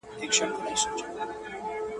چېرته ليري په شنو غرونو كي ايسار وو.